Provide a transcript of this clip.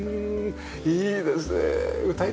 いいですねえ。